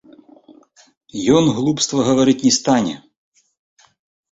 Ён глупства гаварыць не стане.